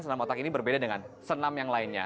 senam otak ini berbeda dengan senam yang lainnya